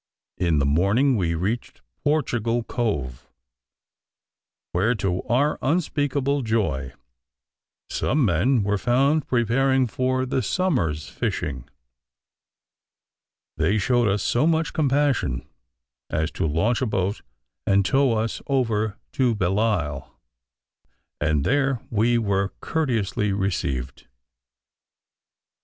In the morning we reached Portugal Cove, where to our unspeakable joy, some men were found preparing for the summer's fishing. They shewed us so much compassion as to launch a boat, and tow us over to Belleisle, and there we were courteously received.